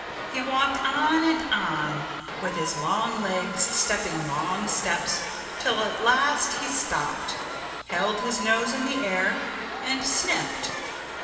He walked on and on with his long legs stepping long steps till at last he stopped, held his nose in the air, and sniffed.